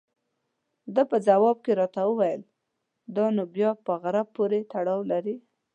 ده په ځواب کې راته وویل: دا نو بیا په غره پورې تړاو لري.